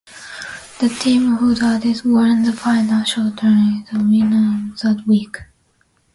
The team whose artist won the final showdown is the winner of that week.